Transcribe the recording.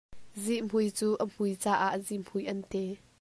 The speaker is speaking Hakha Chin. Zihmui cu a hmui caah zihmui an ti.